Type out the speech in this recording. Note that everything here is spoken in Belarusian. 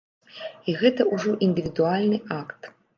І гэта ўжо індывідуальны акт.